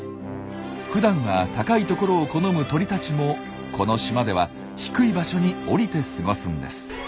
ふだんは高い所を好む鳥たちもこの島では低い場所に降りて過ごすんです。